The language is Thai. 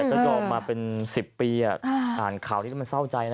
แต่ก็ออกมาเป็น๑๐ปีอ่ะอ่านข่าวนี้ก็มันเศร้าใจนะ